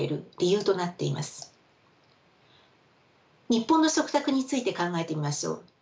日本の食卓について考えてみましょう。